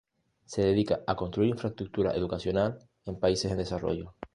Se dedica a construir infraestructura educacional en países en desarrollo.